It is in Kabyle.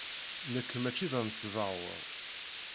Nekk maci d anesbaɣur.